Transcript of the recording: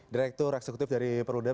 direktur eksekutif dari perludem